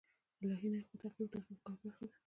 د الهي نښو تعقیب د هغه د کار برخه ده.